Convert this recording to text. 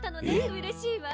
うれしいわ。